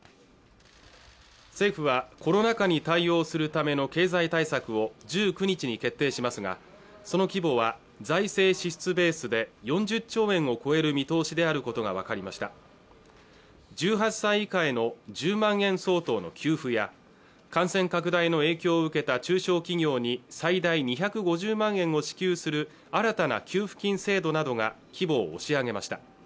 政府はコロナ禍に対応するための経済対策を１９日に決定しますがその規模は財政支出ベースで４０兆円を超える見通しであることが分かりました１８歳以下への１０万円相当の給付や感染拡大の影響を受けた中小企業に最大２５０万円を支給する新たな給付金制度などが規模を押し上げました